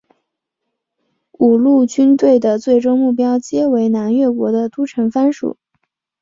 五路军队的最终目标皆为南越国的都城番禺。